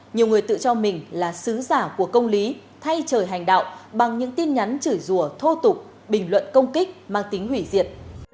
nhiều người tự cho mình là sứ giả của công lý thay trời hành đạo bằng những tin nhắn chửi rùa thô tục bình luận công kích mang tính hủy diệt